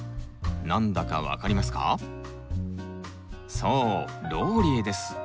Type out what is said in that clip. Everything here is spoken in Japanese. そうローリエです！